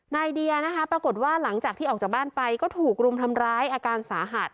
เดียนะคะปรากฏว่าหลังจากที่ออกจากบ้านไปก็ถูกรุมทำร้ายอาการสาหัส